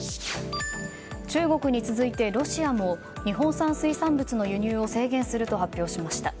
中国に続いてロシアも日本産水産物の輸入を制限すると発表しました。